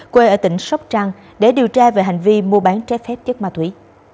quê ở tỉnh sóc trăng để điều tra về hành vi mua bán trái phép chất ma túy